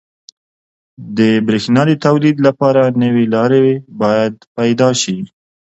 • د برېښنا د تولید لپاره نوي لارې باید پیدا شي.